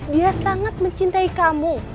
dia sangat mencintai kamu